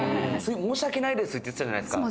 「“申し訳ないです”って言ってたじゃないですか」